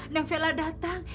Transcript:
neng fela datang